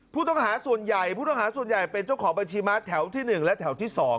ผู้ต้องหาส่วนใหญ่เป็นเจ้าของบัญชีมาตรแถว๑และแถว๒